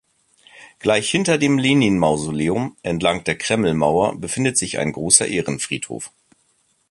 Gleich hinter dem Lenin-Mausoleum, entlang der Kremlmauer, befindet sich ein großer Ehrenfriedhof.